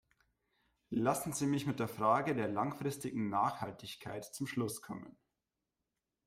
Lassen Sie mich mit der Frage der langfristigen Nachhaltigkeit zum Schluss kommen.